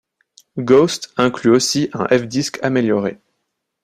Ghost inclut aussi un fdisk amélioré.